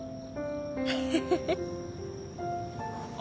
フフフ。